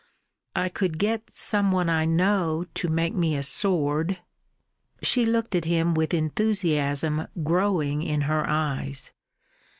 "I could get some one I know to make me a sword." She looked at him with enthusiasm growing in her eyes.